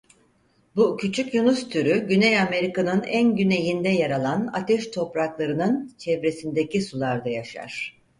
Bu küçük yunus türü Güney Amerika'nın en güneyinde yer alan Ateş Toprakları'nın çevresindeki sularda yaşar.